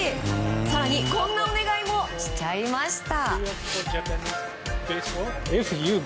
更にこんなお願いもしちゃいました。